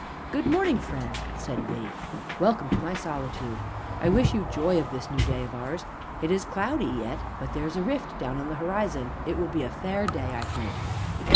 "Good morning, friend!" said he; "welcome to my solitude. I wish you joy of this new day of ours; it is cloudy yet, but there is a rift down on the horizon it will be a fair day, I think."